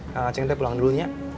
kang acing teh pulang dulu ya